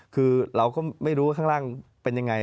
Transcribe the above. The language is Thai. คือเราก็ไม่รู้ว่าข้างล่างเป็นยังไง